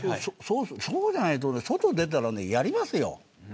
そうじゃないとね外出たら、やりますよ。